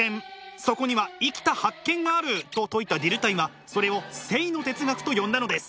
そこには生きた発見があると説いたディルタイはそれを生の哲学と呼んだのです。